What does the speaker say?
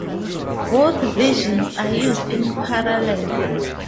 Both versions are used in parallel.